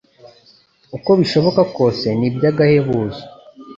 uko bishoboka kose, ni iby’agahebuzo